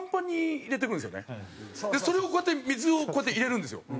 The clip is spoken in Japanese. それをこうやって水をこうやって入れるんですよ。